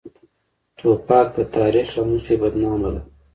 توپک د تاریخ له مخې بدنامه ده.